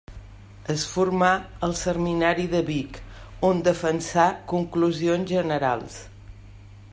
Es formà al seminari de Vic, on defensà conclusions generals.